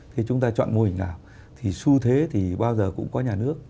thì chúng ta chọn mô hình nào thì xu thế thì bao giờ cũng có nhà nước